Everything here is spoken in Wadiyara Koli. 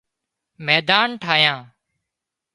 ميڌان ٺاهيان